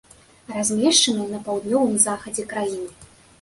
Размешчаны на паўднёвым захадзе краіны.